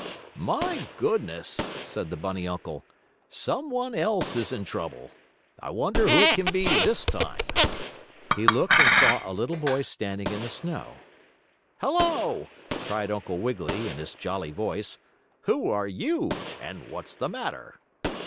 "My goodness!" said the bunny uncle. "Some one else is in trouble. I wonder who it can be this time?" He looked, and saw a little boy standing in the snow. "Hello!" cried Uncle Wiggily, in his jolly voice. "Who are you, and what's the matter?"